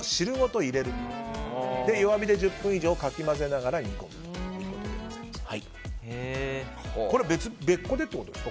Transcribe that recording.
そして弱火で１０分以上かき混ぜながら煮込むということです。